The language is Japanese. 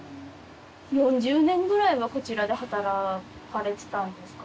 ４０年ぐらいはこちらで働かれてたんですか？